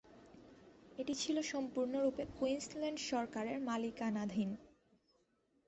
এটি ছিল সম্পূর্ণরূপে কুইন্সল্যান্ড সরকারের মালিকানাধীন।